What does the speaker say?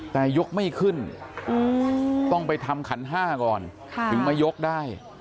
แต่ยกไม่ขึ้นต้องไปทำขันห้าก่อนถึงมายกได้